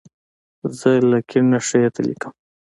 زه له کیڼ نه ښي ته لیکم.